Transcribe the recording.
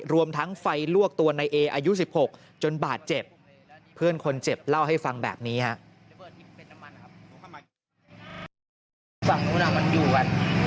รวมทั้งไฟลวกตัวในเออายุ๑๖จนบาดเจ็บเพื่อนคนเจ็บเล่าให้ฟังแบบนี้ฮะ